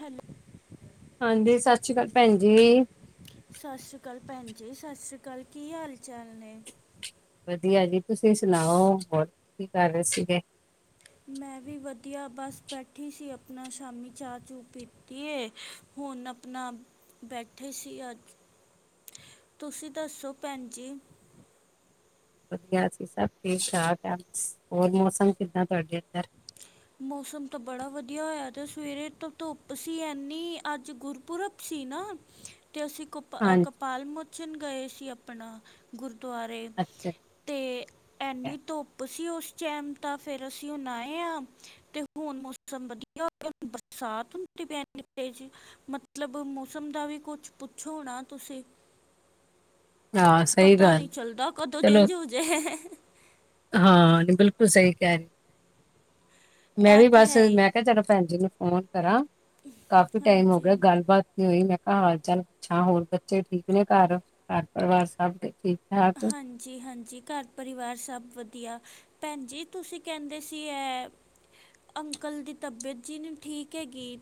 Hello ਹਾਂਜੀ, ਸਤਿ ਸ਼੍ਰੀ ਕਾਲ ਭੈੰਜੀ ਸਸ ਸ੍ਰੀ ਕਾਲ ਭੈਣਜੀ -ਸਸ ਸ੍ਰੀ ਕਾਲ, ਕੀ ਹਾਲ ਚਾਲ ਨੇ-? ਵਧੀਆ ਜੀ, ਤੁਸੀਂ ਸੁਨਾਓ ਹੋਰ ਕੀ ਕਰ ਰਏ ਸੀਗੇ? ਮੈਂ ਵੀ ਵਧੀਆ ਬਸ ਬੈਠੀ ਸੀ, ਆਪਨਾ ਸ਼ਾਮੀ ਚਾਹ -ਚੂ ਪੀਤੀ ਏ ਹੁਨ ਆਪਨਾ ਬੈਠੇ ਸੀ, ਅੱਜ [inaudible] ਤੁਸੀਂ ਦੱਸੋ ਭੈਂਜੀ ਵਧੀਆ ਅਸੀ ਸਭ ਠੀਕ -ਠਾਕ ਆਂ, ਹੋਰ ਮੌਸਮ ਕਿੱਦਾਂ ਤੁਆਡੇ ਇੱਧਰ ਮੌਸਮ ਤਾਂ ਬੜਾ ਵਧੀਆ ਹੋਏਆ ਦਾ, ਸਵੇਰੇ ਤੋਂ ਧੁੱਪ ਸੀ, ਇੰਨੀ ਅੱਜ, ਗੁਰਪੁਰਬ ਸੀ ਨਾ, ਤੇ ਅਸੀਂ ਹਾਂਜੀ ਕਪਾਲ ਮੋਚਨ ਗਏ ਸੀ, ਆਪਣਾ ਗੁਰਦੁਆਰੇ ਅੱਛਾ ਤੇ ਅੱਛਾ ਐੰਨੀ ਧੁੱਪ ਸੀ ਓਸ ਟਾਈਮ ਤਾਂ ਫੇਰ, ਅਸੀ ਹੁਨ ਆਏ ਹਾਂ ਤੇ ਹੁਣ ਮੌਸਮ ਵਧੀਆ, ਬਰਸਾਤ ਹੁੰਦੀ ਪਈ, ਏਨੀ ਤੇਜ ਮਤਲਬ, ਮੌਸਮ ਦਾ ਵੀ ਕੁਛ ਪੁੱਛੋ ਨਾ, ਤੁਸੀਂ [inaudible] ਸਹੀ ਪਤਾ ਗੱਲ ਨੀਂ, ਹੈ। ਚੱਲਦਾ ਕਦੋਂ ਚਲੋ ਕਿੰਝ ਹੋਜੇ ਹਾਂ, ਬਿਲਕੁਲ ਸਹੀ ਕੇਹ ਰਏ। ਮੈਂ ਇਹ ਵੀ, ਤਾਂ ਬਸ ਹੈ ਹੀ ਮੈਂ ਕਿਆ, ਚਲੋ ਭੈੰਜੀ ਨੂੰ ਫੋਨ ਕਰਾਂ, ਕਾਫੀ ਟਾਈਮ ਹੋ ਗਿਆ ਹਾਂਜੀ ਗੱਲਬਾਤ ਓਈ ਮੈਂ ਕਿਆ, ਹਾਲ ਚਾਲ ਪੁੱਛਾਂ, ਹੋਰ ਬੱਚੇ ਠੀਕ ਨੇ ਘਰ, ਘਰ ਪਰਿਵਾਰ ਸਭ ਠੀਕ -ਠਾਕ? ਹਾਂਜੀ ਹਾਂਜੀ ਘਰ ਪਰਿਵਾਰ ਸਬ ਵਧੀਆ-। ਪੈਣ ਜੀ ਤੁਸੀਂ ਕਹਿੰਦੇ ਸੀ ਇਹ ਅੰਕਲ ਦੀ ਤਬੀਅਤ ਜੀ ਨੀ ਠੀਕ ਹੈਗੀ।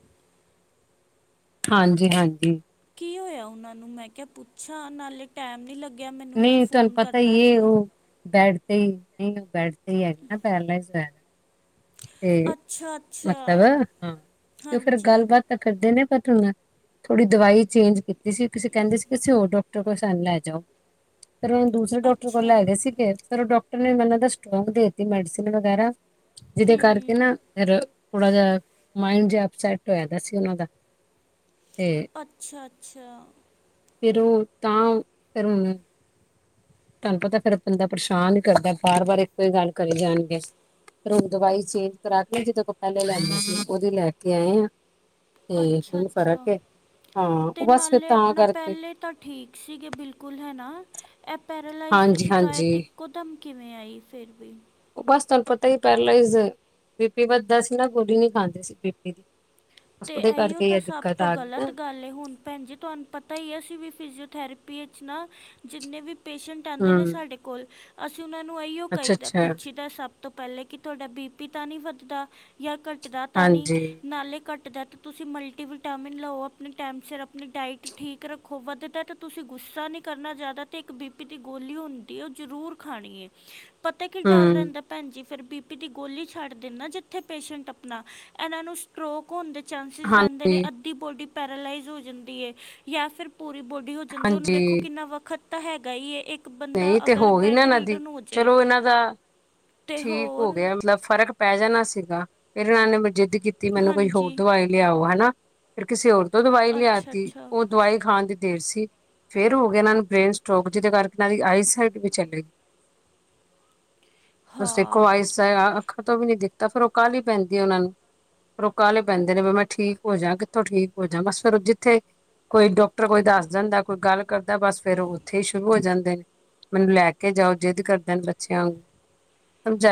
ਹਾਂਜੀ-ਹਾਂਜੀ ਕੀ ਹੋਇਆ ਉਹਨਾਂ ਨੂੰ, ਮੈਂ ਕਿਹਾ ਪੁੱਛਾਂ ਨਾਲੇ ਟੈਮ ਨੀ ਲੱਗਿਆ ਮੈਨੂੰ ਮੈਂ ਨਹੀਂ ਤੁਹਾਨੂੰ ਫੋਨ ਪਤਾ ਕਰਨਾ ਹੀ ਹੈ, ਸੀ। ਉਹ ਬੈਡ ਤੇ ਹੀ ਨੀ ਉਹ ਬੈਡ ਤੇ ਹੀ ਹੈਗੇ ਨਾ ਪੈਰਲਾਇਸ [unintelligible] ਹੂੰ ਤੇ ਅੱਛਾ ਅੱਛਾ ਮਤਲਬ ਹਾਂ ਤੇ ਫੇਰ ਹਾਂਜੀ ਗੱਲ-ਗਲ ਤਾਂ ਕਰਦੇ ਨੇ ਪਰ ਤ ਥੋੜੀ ਦਵਾਈ ਚੇਂਜ ਕੀਤੀ ਸੀ ਤੁਸੀਂ ਕਹਿੰਦੇ ਸੀ ਕਿਸੀ ਹੋਰ ਡੋਕਟਰ ਕੋਲ ਸਾਨੂ ਲੈ ਜਾਓ। ਫਿਰ ਉਹਨ ਦੂਸਰੇ ਡਾਕਟਰ ਕੋਲ ਅੱਛਾ ਲੈ ਗਏ ਸੀਗੇ ਫਿਰ ਉਹ ਡਾਕਟਰ ਨੇ ਮੈਨੁ ਲਗਦਾ ਸਟਰੌਗ ਦੇ ਦਿੱਤੀ ਮੈਡੀਸਨ ਵਗੈਰਾ। ਜਿਦੇ ਕਰਕੇ ਹੂੰ ਨਾ ਫਿਰ ਥੋੜਾ ਜਿਹਾ ਮਾਇੰਡ ਜਿਹਾ ਅਪਸੈਟ ਹੋਇਆ ਦਾ ਸੀ ਉਹਨਾਂ ਦਾ। ਤੇ ਅੱਛਾ-ਅੱਛਾ ਫਿਰ ਉਹ ਤਾਂ ਫਿਰ ਹੁਣ ਤੁਹਾਨੂੰ ਪਤਾ ਫੇਰ ਬੰਦਾ ਪਰੇਸ਼ਾਨ ਹੀ ਕਰਦਾ ਬਾਰ-ਬਾਰ ਇੱਕੋ ਹੀ ਗੱਲ ਕਰੀ ਜਾਣਗੇ। ਫੇਰ ਹੁਣ ਦਵਾਈ ਚੇਂਜ ਕਰਾ ਕੇ ਜਿਦੋਂ ਕੋਲ ਪਹਿਲੇ ਲੈਂਦੇ ਸੀ ਉਹਦੀ ਲੈ ਕੇ ਆਏ ਹਾਂ। ਤੇ ਅੱਛਾ ਹੁਣ ਫ਼ਰਕ ਅੱਛਾ ਏ ਹਾਂ ਤੇ ਬਸ ਫਿਰ ਨਾਲੇ ਤਾਂ ਆਪਣਾ ਕਰਕੇ। ਪਹਿਲੇ ਤਾਂ ਠੀਕ ਸੀਗੇ ਬਿਲਕੁਲ ਹਨਾ ਇਹ ਪੈਰਾਲਾਈਜ਼ ਦੀ ਹਾਂਜੀ ਹਾਂਜੀ ਸ਼ਿਕਾਇਤ ਇੱਕ ਕੋ ਦਮ ਕਿਵੇਂ ਆਈ ਫਿਰ ਵੀ। ਬਸ ਤੁਹਾਨੂੰ ਪਤਾ ਹੀ ਏ ਪੈਰਲੇਈਜ਼ ਬੀਪੀ ਵੱਧਦਾ ਸੀ ਨਾ ਗੋਲੀ ਨੀ ਖਾਂਦੀ ਸੀ ਬੀਪੀ ਦੀ। ਤੇ ਉਹਦੇ ਇਹੀਓ ਕਰਕੇ ਤਾ ਇਹ ਸਭ ਦਿੱਕਤ ਤੋਂ ਆ ਗਈ ਗਲਤ ਨਾ ਗੱਲ ਏ ਹੁਣ ਭੈਣ ਜੀ ਤੁਹਾਨੂੰ ਪਤਾ ਹੀ ਏ ਅਸੀਂ ਵੀ ਫਿਜੀਓਥੈਰੇਪੀ ਵਿੱਚ ਨਾ ਜਿੰਨੇ ਵੀ ਪੇਸ਼ੈਂਟ ਆਉਂਦੇ ਨੇ ਹਮ ਸਾਡੇ ਕੋਲ ਅਸੀਂ ਉਹਨਾਂ ਨੂੰ ਇਹੀਓ ਅੱਛਾ ਕਹੀਦਾ ਅੱਛਾ ਪੁੱਛ ਸਭ ਤੋਂ ਪਹਿਲੇ ਕਿ ਤੁਹਾਡਾ ਬੀ ਪੀ ਤਾ ਨੀ ਵੱਧਦਾ ਯਾ ਘੱਟਦਾ ਤਾ ਨੀ ਹਾਂਜੀ ਨਾਲੇ ਘੱਟਦਾ ਤਾਂ ਤੁਸੀਂ ਮਲਟੀਵਟਾਮਿਨ ਲਓ ਆਪਣੇ ਟਾਈਮ ਸਿਰ ਆਪਣੀ ਡਾਇਟ ਠੀਕ ਰੱਖੋ ਵੱਧਦਾ ਤਾਂ ਤੁਸੀਂ ਗੁੱਸਾ ਨੀ ਕਰਨਾ ਜਾਦਾ ਤੇ ਇੱਕ ਬੀਪੀ ਦੀ ਗੋਲੀ ਹੁੰਦੀ ਉਹ ਜ਼ਰੂਰ ਖਾਣੀ ਏ। ਪਤਾ ਕਿ ਡਰ ਹਮ ਰਹਿੰਦਾ ਭੈਣਜੀ ਫਿਰ ਬੀ ਪੀ ਦੀ ਗੋਲੀ ਛੱਡ ਦਿੰਦਾ ਜਿੱਥੇ ਪੇਸ਼ੈਂਟ ਆਪਣਾ ਇਹਨਾਂ ਨੂੰ ਸਟਰੋਕ ਹੋਣ ਦੇ ਚਾਂਸਿਸ ਰਹਿੰਦੇ ਨੇ ਹਾਂਜੀ ਅੱਧੀ ਬੋਡੀ ਪੈਰਾਲਈਜ਼ ਹੋ ਜਾਂਦੀ ਹੈ ਯਾ ਫਿਰ ਪੂਰੀ ਬੋਡੀ ਹੋ [unintelligible] ਉਹਨੂੰ ਵੇਖੋ ਹਾਂਜੀ ਕਿੰਨਾ ਵੱਖਤ ਤਾਂ ਹੈਗਾ ਈ ਏ ਇੱਕ ਇੱਕ ਬੰਦਾ ਨਹੀਂ ਤੇ ਅਗਰ ਹੋ ਗਈ ਨਾ ਬੈੱਡ ਇਹਨਾਂ ਦੀ ਰਿਡਨ ਹੋ ਜੇ। ਚਲੋ ਇਹਨਾਂ ਦਾ ਠੀਕ ਹੋ ਗਿਆ ਮਤਲਬ ਫ਼ਰਕ ਪੈ ਜਾਣਾ ਸੀਗਾ ਫਿਰ ਇਹਨਾਂ ਨੇ ਜਿੱਦ ਕੀਤੀ ਮੈਨੂੰ ਕੋਈ ਹੋਰ ਹਾਂਜੀ ਦਵਾਈ ਲਿਆਓ ਹਨਾ ਫਿਰ ਕਿਸੇ ਹੋਰ ਤੋਂ ਦਵਾਈ ਅੱਛਾ ਲਿਆਤੀ ਅੱਛਾ ਉਹ ਦਵਾਈ ਖਾਣ ਦੀ ਦੇਰ ਸੀ ਫੇਰ ਹੋ ਗਿਆ ਇਹਨਾਂ ਨੂੰ ਬ੍ਰੇਨ ਸਟ੍ਰੋਕ ਜਿਹਦੇ ਕਰਕੇ ਇਹਨਾਂ ਦੀ ਆਈਸਾਈਟ ਵੀ ਚਲੇ ਤੁਸੀ ਦੇਖੋ ਹਾਂ ਆਈ ਅੱਖਰ ਤੋਂ ਵੀ ਨੀ ਦਿਖਤਾ ਫਿਰ ਉਹ ਕਾਹਲੀ ਪੈਂਦੀ ਉਹਨਾ ਨੂੰ। ਫਿਰ ਉਹ ਕਾਹਲੇ ਪੈਂਦੇ ਨੇ ਵੀ ਮੈਂ ਠੀਕ ਹੋ ਜਾ ਕਿੱਥੋਂ ਠੀਕ ਹੋ ਜਾ ਬਸ ਫਿਰ ਜਿੱਥੇ ਕੋਈ ਡਾਕ ਟਰ ਕੋਈ ਦੱਸ ਜਾਂਦਾ ਕੋਈ ਗੱਲ ਕਰਦਾ ਬਸ ਫੇਰ ਉਹ ਉੱਥੇ ਹੀ ਸ਼ੁਰੂ ਹੋ ਜਾਂਦੇ ਨੇ। ਮੈਨੂੰ ਲੈ ਕੇ ਜਾਓ ਜਿੱਦ ਕਰਦੇ ਨੇ ਬੱਚਿਆਂ ਵਗ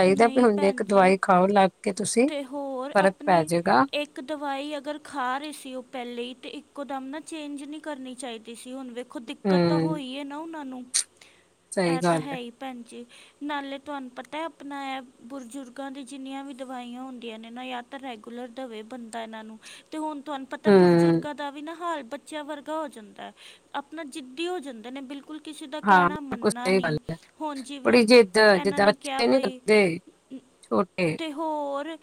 ਨਈ ਭੈਣ ਜੀ ਦਵਾਈ ਖਾਓ ਲੱਗ ਕੇ ਤੁਸੀਂ ਤੇ ਹੋਰ ਫ਼ਰਕ ਆਪਣੀ ਪੈ ਜਾਏਗਾ ਇੱਕ ਕ ਦਵਾਈ ਅਗਰ ਖਾ ਰਹੇ ਸੀ ਉਹ ਪਹਿਲੇ ਹੀ ਤੇ ਇੱਕੋ ਦਮ ਨਾ ਚੇਂਜ ਨੀ ਕਰਨੀ ਚਾਹੀਦੀ ਸੀ ਹੁਣ ਵੇਖ ਕੁਜ ਦਿੱਕਤ ਤਾਂ ਹੂੰ ਹੋਈ ਹੈ ਨਾ ਉਹਨਾਂ ਨੂੰ। ਸਹੀ ਇਹ ਤਾਂ ਗੱਲ ਹੈ ਹੀ ਭੈਣ ਜੀ ਨਾਲੇ ਤੁਹਾਨੂੰ ਪਤਾ ਅਪਣਾ ਐ ਬਜ਼ੁਰਗਾਂ ਦੀ ਜਿੰਨੀਆਂ ਵੀ ਦਵਾਈਆਂ ਹੁੰਦੀਆਂ ਨੇ ਨਾ ਯਾ ਤੇ ਰੈਗੂਲਰ ਦਵੇ ਬੰਦਾ ਇਹਨਾਂ ਨੂੰ। ਤੇ ਹੁਣ ਤੁਹਾਨੂੰ ਪਤਾ ਹੂੰ ਬਜ਼ੁਰਗਾਂ ਦਾ ਵੀ ਨਾ ਹਾਲ ਬੱਚਿਆਂ ਵਰਗਾ ਹੋ ਜਾਂਦਾ ਹੈ ਆਪਣਾ ਜਿੱਦੀ ਹੋ ਜਾਂਦੇ ਨੇ ਬਿਲਕੁਲ ਕਿਸੇ ਦਾ ਹਾਂ ਕਹਿਣਾ ਬਿਲਕੁਲ ਮੰਨਨਾ ਸਹੀ ਗੱਲ ਨਹੀਂ, ਹੈ ਹੁਣ ਜਿਵੇਂ ਬੜੀ ਜਿੱਦ ਇਹਨਾਂ ਜਿੱਦਾਂ ਨੇ ਕਿਹਾ ਬੱਚੇ ਨੀ ਬਾਈ, ਕਰਦੇ ਛੋਟੇ ਤੇ ਹੋਰ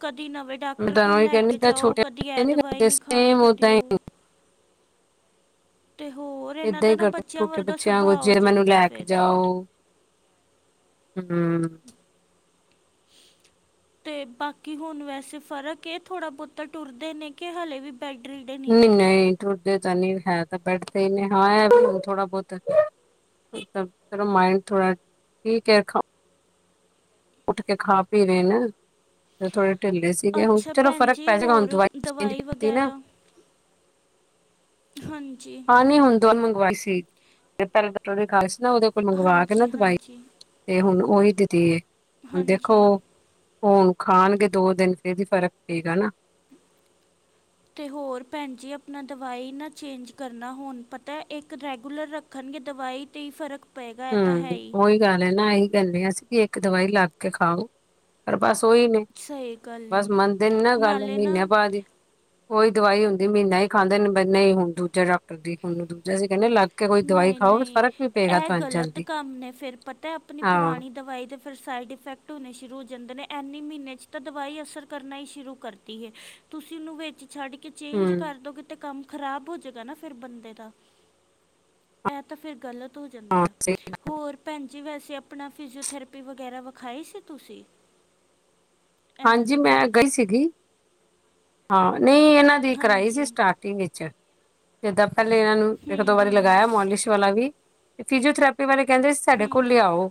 ਕਦੀ ਨਵੇਂ ਮੈਂ ਡਾਕਟਰ ਤੁਹਾਨੂੰ ਕੋਲ ਉਹੀ ਲੈ ਕਹਿੰਦੀ ਕੇ ਜਿੱਦਾਂ ਜਾਓ ਛੋਟੇ ਕਦੀ ਬੱਚੇ ਇਹ ਦਵਾਈ ਕਰਦੇ ਨੀ ਖਾਣੀ ਸੇਮ ਕਦੇ ਓਦਾਂ ਹੀ ਉਹ ਤੇ ਹੋਰ [inaudible] ਇਹਨਾਂ ਏਦਾਂ ਦਾ ਹੀ ਨਾ ਕਰਦੇ ਬੱਚਿਆਂ ਛੋਟੇ ਵਰਗਾ ਬੱਚਿਆਂ ਵਾਗੂ ਸੁਭਾਅ ਹੋ ਜੇ ਮੈਨੂੰ ਜਾਂਦਾ ਲੈ ਕੇ ਫਿਰ ਜਾਓ। ਹੂੰ ਤੇ ਬਾਕੀ ਹੁਣ ਵੈਸੇ ਫ਼ਰਕ ਏ ਥੋੜਾ ਬਹੁਤਾ ਟੁਰਦੇ ਨੇ ਕਿ ਹਲੇ ਵੀ [unintelligible] ਦੇ ਨਹੀਂ, ਨਹੀਂ ਟੁਰਦੇ ਤਾਂ ਨਹੀਂ ਹੈ ਤਾਂ ਬੈਠਦੇ ਤੇ ਹੀ ਨੇ ਹਾਂ ਏ ਥੋੜਾ ਬੋਤਾ ਚਲੋ ਮਾਈੰਡ ਥੋੜਾ, ਠੀਕ ਹੈ ਖਾਣ ਉੱਠ ਕੇ ਖਾ ਪੀ ਰੇ ਨ। ਥੋੜੇ ਢਿੱਲੇ ਸੀਗੇ ਹੁਣ, ਅੱਛਾ ਚਲੋ ਭੈਣ ਫਰਕ ਜੀ ਪੈ ਜਾਏਗਾ ਹੁਣ ਹੋਰ ਦਵਾਈ ਚੇਂਜ ਕੀਤੀ ਨਾ। ਵਗੈਰਾ ਹਾਂਜੀ। ਹਾਂ ਨਹੀਂ ਹੁਣ ਦੋਨੋ ਮੰਗਵਾਈ ਸੀ ਪਹਿਲੇ ਡਾਕਟਰ ਖਾ ਸੀ ਨਾ ਉਹਦੇ ਕੋਲ ਮੰਗਵਾ ਕੇ ਨਾ ਹਾਂਜੀ ਦਵਾਈ ਹਾਂਜੀ ਤੇ ਹੁਣ ਉਹੀ ਦਿੱਤੀ ਏ, ਹੁਣ ਦੇਖੋ। ਹਾਂਜੀ ਹੁਣ ਖਾਣਗੇ ਦੋ ਦਿਨ ਫਿਰ ਵੀ ਫ਼ਰਕ ਪਏਗਾ ਨਾ। ਤੇ ਹੋਰ ਭੈਣ ਜੀ ਆਪਣਾ ਦਵਾਈ ਨਾ ਚੇਂਜ ਕਰਨਾ ਹੁਣ ਪਤਾ ਇੱਕ ਰੈਗੂਲਰ ਰ ਰਖਣਗੇ ਦਵਾਈ 'ਤੇ ਹੀ ਫਰਕ ਪਏਗਾ ਇਹ ਤਾਂ ਹੈ ਹੂੰ ਹੀ ਓ ਈ ਗੱਲ ਹੈ ਨਾ ਇਹੀ ਕਹਿੰਦੇ ਅਸੀਂ ਵੀ ਇੱਕ ਦਵਾਈ ਲੱਗ ਕੇ ਖਾਓ, ਪਰ ਬਸ ਉਹੀ ਨੀ ਸਹੀ ਗੱਲ ਹੈ ਬਸ ਮੰਨਦੇ ਨੀ ਨਾ ਗੱਲ ਨਾਲੇ ਮਹੀਨੇ ਨਾ ਬਾਦ ਈ। ਉਹੀ ਦਵਾਈ ਹੁੰਦੀ ਮਹੀਨਾ ਹੀ ਖਾਂਦੇ, ਬਾਈ ਨੀ ਹੁਣ ਦੂਜਾ ਡਾਕਟਰ ਦੀ ਹੁਣ ਦੂਜਾ ਸੀ ਕਹਿੰਦੇ ਲੱਗ ਕੇ ਕੋਈ ਦਵਾਈ ਖਾਓ, ਫਰਕ ਵੀ ਪਏਗਾ। ਏ ਤੁਹਾਨੂੰ ਗ਼ਲਤ ਜਲਦੀ ਕੰਮ ਨੇ ਫਿਰ ਪਤਾ ਆਪਣੀ ਹਾਂ ਪੁਰਾਣੀ ਦਵਾਈ ਦੇ ਫਿਰ ਸਾਈਡ ਇਫੈਕਟ ਹੋਣੇ ਸ਼ੁਰੂ ਹੋ ਜਾਂਦੇ ਨੇ, ਐਨੀ ਮਹੀਨੇ ' ਤਾਂ ਦਵਾਈ ਅਸਰ ਕਰਨਾ ਹੀ ਸ਼ੁਰੂ ਕਰਦੀ ਏ। ਤੁਸੀਂ ਉਹਨੂੰ ਵਿੱਚ ਛੱਡ ਕੇ ਹੂੰ ਚੇਂਜ ਕਰ ਦਿਉ ਗੇ ਕਿ ਕੰਮ ਖ਼ਰਾਬ ਹੋ ਜੇਗਾ ਨਾ ਫਿਰ ਬੰਦੇ ਦਾ ਇਹ ਤਾਂ ਫਿਰ ਗਲਤ ਹੋ ਹਾਂ ਜਾਂਦਾ, ਹੋਰ ਭੈਣ ਜੀ, ਵੈਸੇ ਆਪਣਾ ਫਿਜੀਓਥੈਰੇਪੀ ਵਗੈਰਾ ਵਿਖਾਈ ਸੀ ਤੁਸੀਂ? ਇਹਨਾਂ ਹਾਂਜੀ! ਦੇ ਮੈਂ ਕਿਧਰੇ ਗਈ ਸੀਗੀ ਹਾਂ! ਨਹੀਂ, ਇਹਨਾਂ ਦੀ ਕਰਾਈ ਸੀ ਹਾਂਜੀ ਸਟਾਰਟਿੰਗ ਵਿੱਚ ਜਿੱਦਾਂ ਪਹਿਲੇ ਇਹਨਾਂ ਨੂੰ ਇੱਕ ਹੂੰ -ਦੋ ਵਾਰੀ ਹੂੰ ਲਗਾਇਆ ਮੋਲਿਸ਼ ਵਾਲਾ ਵੀ, ਫਿਜੋਓਥਪ ਵਾਲੇ ਕਹਿੰਦੇ ਸਾਡੇ ਕੋਲ ਹੂੰ ਲਿਆਓ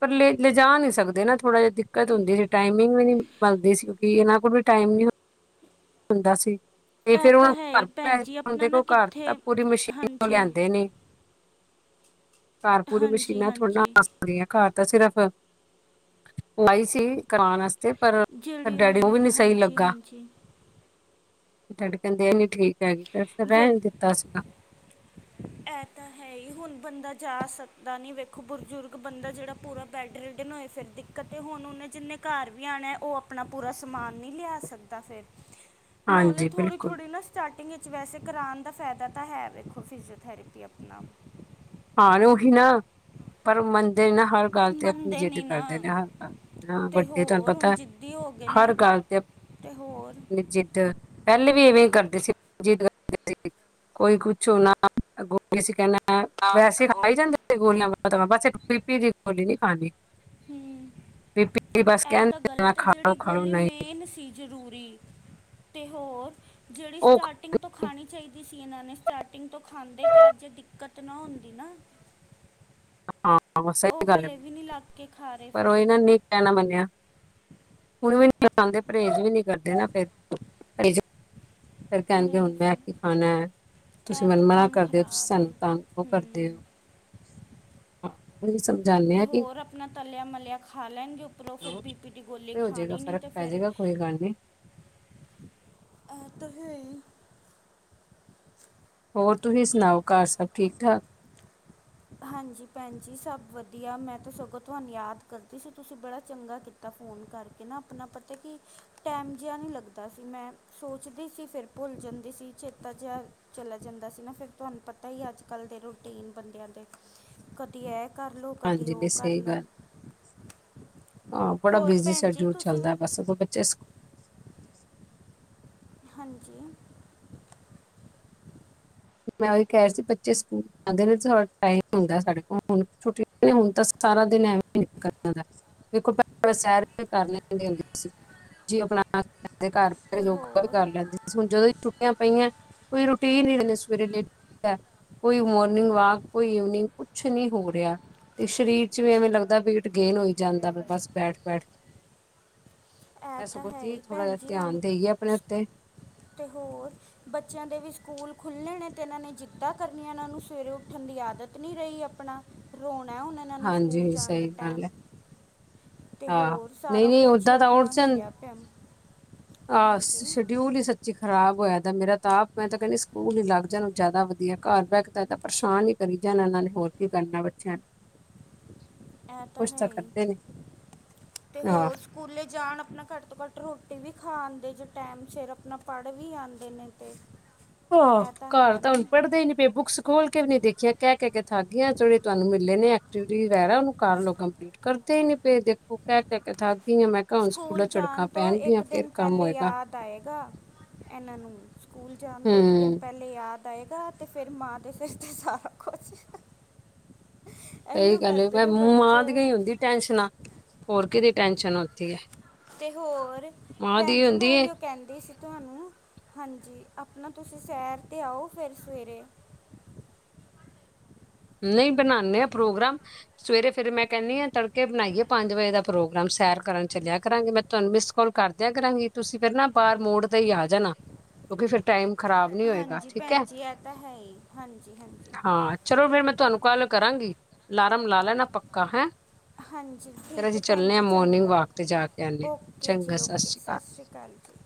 ਪਰ ਲ ਲਿਜਾ ਨਹੀਂ ਸਕਦੇ ਨਾ ਥੋੜਾ ਜ ਦਿੱਕਤ ਹੁੰਦੀ ਸੀ, ਟਾਈਮ ਵੀ ਨਹੀਂ ਬਣਦੇ ਸੀ ਕਿਉਂਕਿ ਇਹਨਾਂ ਕੋਲ ਵੀ ਟਾਈਮ ਨ ਹੁੰਦਾ ਸੀ। ਤੇ ਇਹ ਦੇਖੋ ਤਾਂ ਹੈ ਹੀ ਘਰ ਪਏ ਭੈਣ ਜੀ ਆਪਣਾ ਨੇ ਨਾ ਘਰ ਤਾਂ ਕਿੱਥੇ ਪੂਰੀ ਮਸ਼ੀਨ ਹਾਂਜੀ ਲਿਆਂਦੇ ਨੇ। ਘਰ ਪੂਰੇ ਹਾਂਜੀ ਮਸ਼ੀਨਾਂ ਥੋੜ੍ਹੀ ਆ ਹਾਂਜੀ - ਜਾਦੀਆ ਘਰ ਤਾਂ ਸਿਰਫ਼, ਲਾਈ ਸੀ ਕਰਾਉਣ ਵਾਸ ਤੇ ਪਰ ਜਿਹੜੀ ਉਹਨਾਂ ਡੈਡੀ ਉਹ ਵੀ ਨੇ ਨੀ ਸਹੀ ਹਾਂਜੀ ਲੱਗਾ। ਹਾਂਜੀ ਡੈਡੀ ਕਹਿੰਦੇ ਇਹ ਨੀ ਠੀਕ ਹੈਗੀ, ਫਿਰ ਵੇ ਰਹਿਣ ਦਿੱਤਾ ਸੀਗਾ। ਇਹ ਤਾਂ ਹੈ ਹੀ ਹੁਣ ਬੰਦਾ ਜਾ ਸਕਦਾ ਨਹੀਂ ਵੇਖੋ ਬਜ਼ੁਰਗ ਬੰਦਾ ਜਿਹੜਾ ਪੂਰਾ ਬੈੱਡ ਰੈਡਣ ਹੋਏ ਫਿਰ ਦਿੱਕਤ ਹੁਣ ਉਹਨੇ ਜਿੰਨੇ ਘਰ ਵੀ ਆਉਣਾ, ਉਹ ਆਪਣਾ ਪੂਰਾ ਸਮਾਨ ਨਹੀਂ ਲਿਆ ਸਕਦਾ ਫਿਰ [inaudible] ਨਾਲੇ ਥੋੜ੍ਹੀ ਬਿਲਕੁਲ -ਥੋੜ੍ਹੀ ਨਾ ਸਟਾਰਟਿੰਗ ਵਿੱਚ ਵੈਸੇ ਕਰਾਉਣ ਦਾ ਫਾਇਦਾ ਤਾਂ ਹੈ ਵੇਖੋ ਫਿਜੋ ਥੈਰੇਪੀ ਅਪਣਾ। ਹਾਂ ਓਹੀ ਨਾ। ਪਰ ਮੰਨਦੇ ਨੇ ਨਾ ਹਰ ਗੱਲ ਤੇ ਆਪਣੀ ਮੰਨਦੇ ਜਿੱਦ ਨਹੀਂ ਕਰਦੇ ਨਾ ਨੇ ਹੁਣ, ਵੱਡੇ ਤੁਹਾਨੂੰ ਹੋਰ ਹੁਣ ਪਤਾ। ਤੇ ਜਿੱਦੀ ਹੋ ਗਏ ਨੇ, ਹਰ ਗੱਲ ਤੇ ਹੋਰ ਤੇ ਜਿੱਦ! ਪਹਿਲੇ ਵੀ ਇਵੇਂ ਕਰਦੀ ਸੀ, ਜਿੱਦ ਕਰ ਕੋਈ ਕੁਛੋ ਨਾ ਅਗੋ ਨੀ ਸੀ ਕਹਿਣਾ ਹਾਂ, ਵੈਸੇ ਅੱਗੋਂ ਖਾ ਹੀ ਜਾਂਦੇ ਸੀ ਗੋਲੀਆਂ, ਬਸ ਬੀਪੀ ਦੀ ਗੋਲੀ ਨੀ ਖਾਣੀ। ਹੂੰ! ਬੀਪੀ ਦੀ ਬਸ ਏਹ ਤਾਂ ਕਹਿੰਦੇ ਗਲਤ ਐ, ਖਾ ਜਿਹੜੀ ਲਓ ਖਾ ਲਓ ਗੋਲੀ ਨਹੀਂ ਮੇਨ ਸੀ ਜ਼ਰੂਰੀ ਤੇ ਹੋਰ ਜਿਹੜੀ ਉਹ ਸਟਾਰਟ ਟਿੰਗ ਤੋਂ ਖਾਣੀ ਚਾਹੀਦੀ ਸੀ, ਇਹਨਾਂ ਨੇ ਸਟਾਰਟਿੰਗ ਤੋਂ ਖਾਂਦੇ ਤੇ ਅੱਜ ਦਿੱਕਤ ਨਾ ਹੁੰਦੀ ਨਾ। ਹਾਂ ਸਹੀ ਉਹ ਗੱਲ ਹੈ ਹਲੇ ਵੀ ਨਹੀਂ ਲੱਗ ਬਿਲਕੁਲ, ਕੇ ਖਾ ਰਹੇ ਪਰ ਫਿਰ ਉਹ ਇਨਾਂ ਨੇ ਨੀ ਕਹਿਣਾ ਮੰਨਿਆ! ਹੁਣ ਵੀ ਨੀ ਖਾਦੇ ਪਰਹੇਜ਼ ਵੀ ਨੀ ਕਰਦੇ ਨਾ ਫੇਰ ਪਰਹੇ ਫਿਰ ਕਹਿਣਗੇ ਨਹੀਂ ਹੁਣ ਮੈਂ ਫਿਰ ਕੀ ਖਾਣਾ। ਤੁਸੀਂ ਇਹ ਤਾਂ ਮਨਮਨਾ ਕੰਮ ਕਰਦੇ ਹੋ, ਤੁਸੀਂ ਖਰਾਬ ਹੈ ਸਾਨੂੰ ਤੰਗ ਕਿਉਂ ਕਰਦੇ ਹੂੰ ਓ। ਤੇ ਆ ਕਿ ਹੋਰ ਆਪਣਾ ਤਲਿਆ ਮਲਿਆ ਖਾ ਲੈਣ ਗੇ। ਪਰ ਓ ਫਿਰ ਬੀ ਪੀ ਦੀ ਗੋਲੀ ਖਾਣੀ ਨੀ ਤੇ ਫਿਰ ਕਾਲ ਜੀ ਐ ਤਾਂ ਹੈ ਹੀ। ਹੋਰ ਤੁਸੀਂ ਸੁਣਾਓ ਘਰ ਸਭ ਠੀਕ-ਠਾਕ? ਹਾਂਜੀ ਭੈਣ ਜੀ! ਸਭ ਵਧੀਆ ਮੈਂ ਤਾਂ ਸਗੋਂ ਤੁਹਾਨੂੰ ਯਾਦ ਕਰਦੀ ਸੀ, ਤੁਸੀਂ ਬੜਾ ਚੰਗਾ ਕੀਤਾ ਇਕ ਨਾ ਫੋਨ ਕਰਕੇ ਨਾ ਆਪਣਾ ਪਤਾ ਕੀ, ਟਾਈਮ ਜਿਹਾ ਨਹੀਂ ਲੱਗਦਾ ਸੀ, ਮੈਂ ਸੋਚਦੀ ਸੀ, ਫਿਰ ਭੁੱਲ ਜਾਂਦੀ ਸੀ, ਚੇਤਾ ਜਹਿ ਚਲਾ ਜਾਂਦਾ ਸੀ ਨਾ ਫਿਰ ਤੁਹਾਨੂੰ ਪਤਾ ਹੀ ਅੱਜ ਕੱਲ੍ਹ ਦੇ ਰੂਟੀਨ ਬੰਦਿਆਂ ਦੇ ਕਦੀ ਐ ਕਰ ਲਓ, ਕਦੀ ਹਾਂਜੀ ਜੀ ਉਹ ਕਰ ਸਹੀ ਲਓ। ਗੱਲ। ਹਾਂ ਬੜਾ ਹੋਰ ਬਿਜ਼ੀ ਭੈਣ ਜੀ ਸ਼ੇਡਿਊਲ ਤੁਸੀਂ ਵੀ ਚੱਲਦਾ, ਬਸ ਅਗੋ ਬੱਚੇ ਸ ਹਾਂਜੀ! ਮੈਂ ਉਹੀ ਕਹਿ ਰੀ ਸੀ ਬੱਚੇ ਸਕੂਲ ਜਾਦੇ ਨੇ ਥੌੜਾ ਟਾਇਮ ਹੁੰਦਾ ਸਾਡੇ ਕੋਲ ਹੁਣ ਛੁੱਟੀ ਆ, ਹੁਣ ਤਾਂ ਸਾਰਾ ਦਿਨ ਐਵੇਂ ਹੀ ਨਿਕਲ ਜਾਦਾਂ। ਵਖੋ ਪਹਿਲਾਂ ਸੈਰ ਵੀ ਕਰ ਲੈਦੀ ਹੁੰਦੀ ਸੀ, ਜੇ ਆਪਣਾ [unintelligible] ਘਰ ਤੇ ਯੋਗਾ ਵੀ ਹੋਰ ਕਰ ਲੈਂਦੀ ਸੀ, ਹੁਣ ਜਦੋਂ ਛੁੱਟ ਪਈਆਂ ਕੋਈ ਰੁਟੀਨ ਨਹੀਂ ਹੈ। [inaudible] ਕੋਈ ਮੋਰਨਿੰਗ ਵਾਕ ਕੋਈ ਈਵਨਿੰਗ ਕੁਛ ਨੀ ਹੋ ਰਿਹਾ ਤੇ, ਸਰੀਰ ਵਿੱਚ ਵੀ ਐਵੇਂ ਲੱਗਦਾ ਵੀਟ ਗੇਨ ਹੋਈ ਜਾਂਦਾ ਬਸ ਬੈਠ -ਬੈਠ ਇਹ ਬਸ ਤਾਂ ਕੁਛ ਹੈ ਜੀ ਹੀ ਥੋੜਾ ਭੈਣ ਜਿਹਾ ਜੀ ਹੁਣ ਧਿਆਨ ਦੇਈਏ ਆਪਣੇ ਉੱਤੇ ਤੇ ਹੋਰ ਬੱਚਿਆਂ ਦੇ ਵੀ ਸਕੂਲ ਖੁੱਲ੍ਹੇ ਨੇ ਤੇ ਇਹਨਾਂ ਨੇ ਜਿੱਦਾਂ ਕਰਨੀਆਂ ਇਹਨਾਂ ਨੂੰ ਸਵੇਰੇ ਉੱਠਣ ਦੀ ਆਦਤ ਨਹੀਂ ਰਹੀ ਆਪਣਾ। ਰੋਣਾ ਉਹਣਾ ਨਾ ਨੇ ਸਕੂਲ ਹਾਂਜੀ ਜਾਣ ਦੇ ਸਹੀ ਗੱਲ ਟਾਈਮ। ਹੈ ਤੇ ਹਾਂ ਹੋਰ ਨਹੀਂ ਸਾਰਾ ਨਹੀਂ ਕੁਛ ਹੀ ਓਦਾਂ ਤਾਂ ਆਪਣਾ ਉਲਝਣ ਹਲਿਆ ਪਿਆ। ਆਹ ਹਾਂਜੀ ਸ਼ਡਿਊਲ ਹੀ ਸ ਚ ਖਰਾਬ ਹੋਇਆ ਦਾ ਮੇਰਾ ਤਾਂ ਆਪ ਮੈਂ ਤਾਂ ਕਹਿੰਦੀ ਸਕੂਲ ਨੀ ਲੱਗ ਜਾਣ ਜ਼ਿਆਦਾ ਵਧੀਆ ਘਰ ਬਹਿ ਕੇ ਤਾਂ ਏਦਾ ਪਰੇਸ਼ਾਨ ਹੀ ਕਰੀ ਜਾਣਾ ਇਹਨਾਂ ਨੇ ਹੋਰ ਕੀ ਕਰਨਾ ਬੱਚਿਆਂ ਨੇ। ਏਹ ਤਾਂ ਕੁਛ ਹੈ ਈ, ਕਰਦੇ ਨੇ ਤੇ ਹਾਂ ਹੋਰ ਸਕੂਲੇ ਜਾਣ ਆਪਣਾ ਘੱਟ ਤੋਂ ਘੱਟ ਰੋਟੀ ਵੀ ਖਾਆਦੇ ਜੋ ਟਾਈਮ ਸਿਰ ਆਪਣਾ ਪੜ੍ਹ ਵੀ ਆਦੇ ਨੇ। ਤੇ ਹਾਂ, ਇਹ ਹੈ ਘਰ ਤਾਂ ਨਾ ਹੁਣ ਪੜ੍ਹਦੇ ਹੀ ਨੀ ਪਏ ਬੁੱਕਸ ਖੋਲ ਕੇ ਵੀ ਨੀ ਦੇਖੀਆਂ ਕਹਿ -ਕਹਿ ਕੇ ਥੱਕ ਗੀਆਂ ਜਿੜੇ ਤੁਹਾਨੂੰ ਮਿਲੇ ਨੇ ਐਕਵਟੀਵੀਟੀ ਵਗੈਰਾ ਉਹਨੂੰ ਕਰ ਲਓ ਕੰਮਪਲੀ- ਕਰਦੇ ਹੀ ਨੀ ਪਏ ਦੇਖੋ ਕਹਿ -ਕਹਿ ਕੇ ਠੱਕ ਗੀਆ ਮੈ। ਸਕੂਲ ਜਾਣ ਤੋਂ ਇੱਕ ਦਿਨ ਪਹਿਲੇ ਹੋਏਗਾ ਯਾਦ ਤਾ ਆਏਗਾ ਐਨਾਂ ਨੂੰ ਸਕੂਲ ਜਾਣ ਤੋਂ ਇੱਕ ਹੂੰ ਦਿਨ ਪੈਲੇ ਯਾਦ ਆਏਗਾ ਤੇ ਫਿਰ ਮਾਂ ਦੇ ਸਿਰ ਤੇ ਸਾਰਾ ਕੋਛ ਸਈ ਗੱਲ ਏ। ਮੈਂ ਮਾਂ ਬੱਚੇ ਦੀਅ ਹੁਣ ਯੋ ਈ ਹੁੰਦੀ ਟੈਨਸ਼ਨਾਂ। ਹੋਰ ਕਿਦੀ ਟੈਂਸ਼ਨਸ਼ਨ ਓਥੇ ਤੇ ਹੋਰ। ਭੈਣ ਜੀ ਮੈਂ ਹੁੰਦੀ ਹੈ ਓਈਯੋ ਕੈਂਦੇ ਸੀ ਤੁਆਨੂੰ ਹਾਂਜੀ ਆਪਣਾ ਤੁਸੀਂ ਸੈਰ 'ਤੇ ਆਓ ਫਿਰ ਸਵੇਰੇ। ਨਈ ਬਨਾਂਨੇ ਆਂ ਪ੍ਰੋਗਰਾਮ। ਸਵੇਰੇ ਫੇਰ ਮੈਂ ਕੈਂਨੀਂ ਆਂ ਤੜਕੇ ਬਨਾਈਏ ਪੰਜ ਵਜੇ ਦਾ ਪ੍ਰੋਗਰਾਮ, ਸੈਰ ਕਰਨ ਚੱਲਿਆ ਕਰਾਂਗੇ। ਮੈਂ ਤੁਆਨੂੰ ਮਿਸ ਕੌਲ ਕਰਦਿਆਂ ਕਰਾਂਗੀ। ਤੁਸੀ ਫੇਰ ਨਾ ਬਾਰ ਮੋੜ ਤੇ ਹੀ ਆ ਜਾਨਾ। ਕਿਉਂਕਿ ਫੇਰ ਟਾਈਮ ਖਰਾਬ ਨੀ ਹੋਏਗਾ, ਹਾਂਜੀ ਠੀਕ ਭੈਣ ਐ। ਜੀ ਇਹ ਤਾਂ ਹੈ ਹੀ ਹਾਂਜੀ ਹਾਂਜੀ ਹਾਂ। ਚਲੋ ਫੇਰ ਮੈਂ ਤੁਆਨੂੰ ਕਾੱਲ ਕਰਾਂਗੀ। ਅਲਾਰਮ ਲਾ ਲੈਣਾ ਪੱਕਾ, ਹੈਂ। ਹਾਂਜੀ ਫੇਰ ਠੀਕ ਅਸੀ ਹੈ ਭੈਣ ਚੱਲਨੇ ਆਂ ਜੀ ਮੋਰਨਿੰਗ ਚੰਗਾ ਵਾਕ ਤੇ ਜਾ ਕੇ ਆਨੇਂ ਆ। ਓਕੇ ਚੰਗਾ ਜੀ ਸਸ ਓਕੇ ਸ੍ਰੀ ਕਾਲ। ਸਤਿ ਸ਼੍ਰੀ ਅਕਾਲ ਜੀ